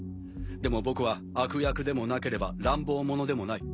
でも僕は悪役でもなければ乱暴者でもない。